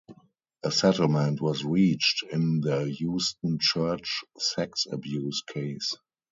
A settlement was reached in the Houston church sex abuse case.